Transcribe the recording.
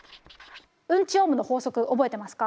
うんちオームの法則覚えてますか？